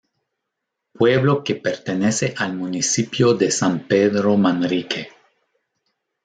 Pueblo que pertenece al municipio de San Pedro Manrique.